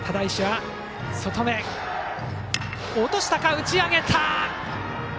打ち上げた。